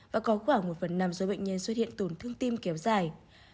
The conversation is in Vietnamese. và có khoảng một phần năm số bệnh nhân xuất hiện tổn thương tim kéo dài